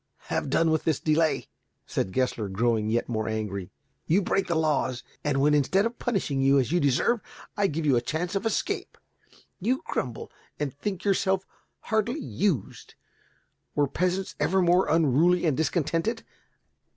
"Have done with this delay," said Gessler, growing yet more angry. "You break the laws, and when, instead of punishing you as you deserve, I give you a chance of escape, you grumble and think yourself hardly used. Were peasants ever more unruly and discontented?